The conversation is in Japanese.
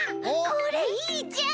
これいいじゃん！